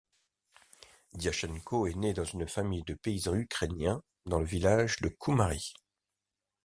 Diatchenko est née dans une famille de paysans ukrainiens dans le village de Koumari.